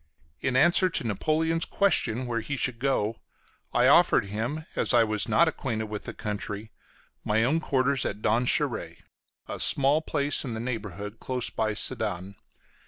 In answer to Napoleon's question where he should go to, I offered him, as I was not acquainted with the country, my own quarters at Donchéry, a small place in the neighborhood, close by Sedan.